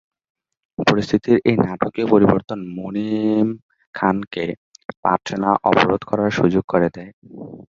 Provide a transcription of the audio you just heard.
পরিস্থিতির এ নাটকীয় পরিবর্তন মুনিম খানকে পাটনা অবরোধ করার সুযোগ করে দেয়।